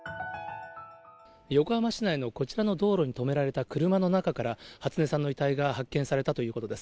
横浜市内のこちらの道路に止められた車の中から、初音さんの遺体が発見されたということです。